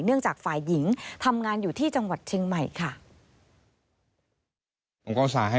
จากฝ่ายหญิงทำงานอยู่ที่จังหวัดเชียงใหม่ค่ะ